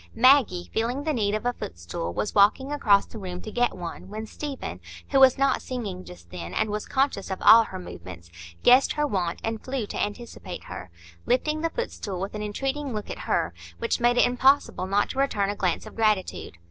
Maggie, feeling the need of a footstool, was walking across the room to get one, when Stephen, who was not singing just then, and was conscious of all her movements, guessed her want, and flew to anticipate her, lifting the footstool with an entreating look at her, which made it impossible not to return a glance of gratitude.